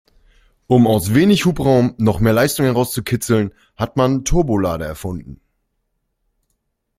Um aus wenig Hubraum noch mehr Leistung herauszukitzeln, hat man Turbolader erfunden.